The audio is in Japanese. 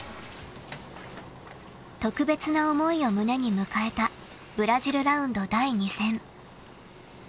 ［特別な思いを胸に迎えたブラジルラウンド第２戦］